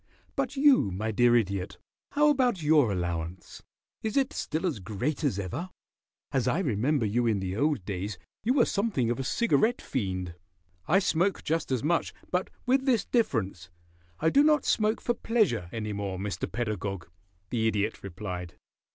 "But you, my dear Idiot, how about your allowance? Is it still as great as ever? As I remember you in the old days you were something of a cigarette fiend." [Illustration: "'SMOKING KEEPS INSECTS FROM THE PLANTS'"] "I smoke just as much, but with this difference: I do not smoke for pleasure any more, Mr. Pedagog," the Idiot replied.